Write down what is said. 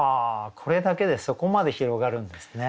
これだけでそこまで広がるんですね。